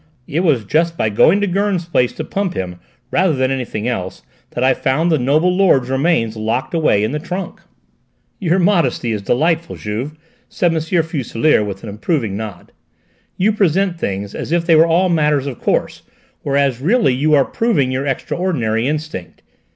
It was just by going to Gurn's place to pump him, rather than anything else, that I found the noble lord's remains locked away in the trunk." "Your modesty is delightful, Juve," said M. Fuselier with an approving nod. "You present things as if they were all matters of course, whereas really you are proving your extraordinary instinct.